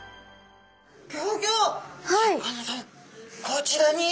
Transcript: こちらに。